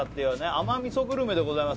甘味噌グルメでございます